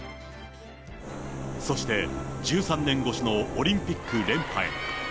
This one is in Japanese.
そして、１３年越しのオリンピック連覇へ。